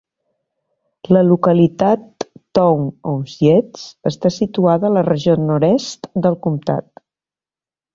La localitat Town of Yates està situada a la regió nord-oest del comtat.